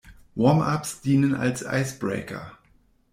Warm-ups dienen als Icebreaker.